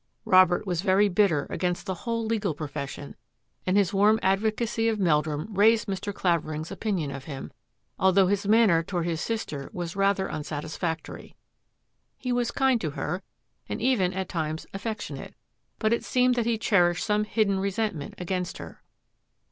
Robert was very bitter against the whole legal profession and his warm advocacy of Meldrum raised Mr. Clavering's opinion of him, although his manner toward his sis ter was rather unsatisfactory. He was kind to her, and even at times affectionate, but it seemed that he cherished some hidden resentment against her.